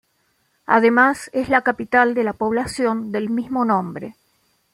Además es la capital de la población del mismo nombre.